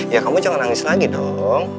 ya kamu jangan nangis lagi dong